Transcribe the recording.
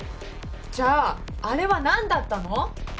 じゃああれは何だったの？